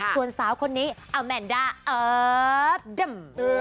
ส่วนสาวคนนี้อัลแมนดาเอิ้อด้ม